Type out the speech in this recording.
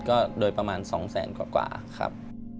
ก็โดยประมาณ๒แสนกว่าครับ